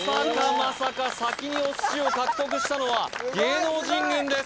まさか先にお寿司を獲得したのは芸能人軍です